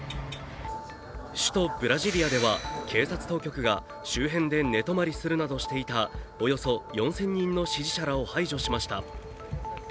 首都ブラジリアでは、警察当局が周辺で寝泊まりするなどしていたおよそ４０００人の支持者らを排除しました。